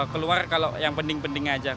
keluar kalau yang penting penting aja